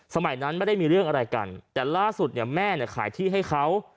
สมัยนั้นไม่ได้มีเรื่องอะไรกันแต่ล่าสุดเนี่ยแม่เนี่ยขายที่ให้เขา